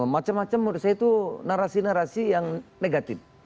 macem macem menurut saya itu narasi narasi yang negatif